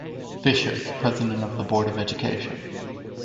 Fisher, president of the Board of Education.